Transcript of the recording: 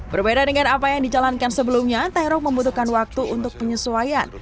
berbeda dengan apa yang dijalankan sebelumnya tae rock membutuhkan waktu untuk penyesuaian